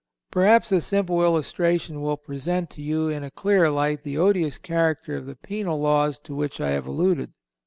Perhaps a simple illustration will present to you in a clearer light the odious character of the penal laws to which I have alluded.